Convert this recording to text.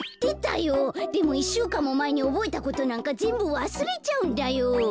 でも１しゅうかんもまえにおぼえたことなんかぜんぶわすれちゃうんだよ。